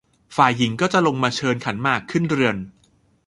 ฝ่ายหญิงก็จะลงมาเชิญขันหมากขึ้นเรือน